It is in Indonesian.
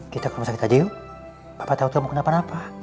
kita ke rumah sakit aja yuk papa tau kamu kenapa napa